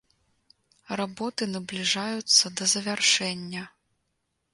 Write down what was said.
Работы набліжаюцца да завяршэння.